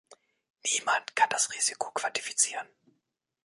Niemand kann das Risiko quantifizieren.